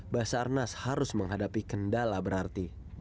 basarnas harus menghadapi kendala berarti